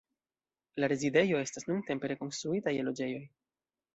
La rezidejo estas nuntempe rekonstruita je loĝejoj.